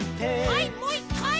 はいもう１かい！